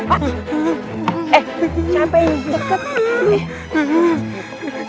eh siapain deket